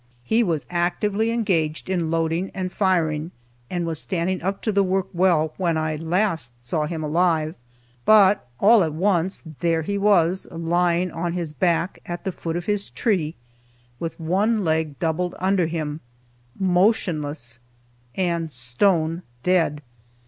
He was actively engaged in loading and firing, and was standing up to the work well when I last saw him alive. But, all at once, there he was lying on his back, at the foot of his tree, with one leg doubled under him, motionless, and stone dead!